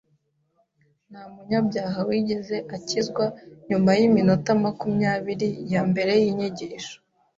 Nta munyabyaha wigeze akizwa nyuma yiminota makumyabiri yambere yinyigisho.